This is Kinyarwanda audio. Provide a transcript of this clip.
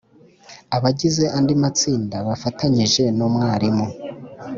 Abagize andi matsinda bafatanyije n’umwarimu